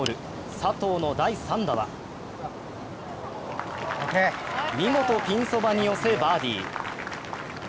佐藤の第３打は見事、ピンそばに寄せバーディー。